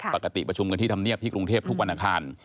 ปกติประชุมกันที่ทำเนียบที่กรุงเทพฯทุกวันอาคาร